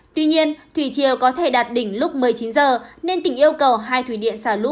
tuy nhiên thủy triều có thể đạt đỉnh lúc một mươi chín giờ nên tỉnh yêu cầu hai thủy điện xả lũ